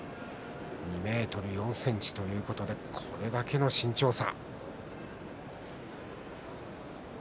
２ｍ４ｃｍということでこれだけの身長差。